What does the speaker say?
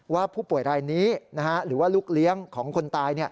ว่าผู้ป่วยรายนี้หรือว่าลูกเลี้ยงของคนตาย